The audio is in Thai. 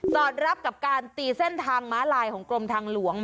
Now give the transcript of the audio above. สอดรับการตีเส้นทางหมารายกรมทางหลวง